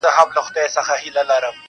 زما خوښيږي پر ماگران دى د سين تـورى.